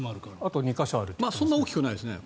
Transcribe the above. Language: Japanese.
そんなに大きくないですね。